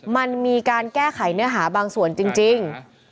มันมีการแก้ไขเนื้อหาบางส่วนจริง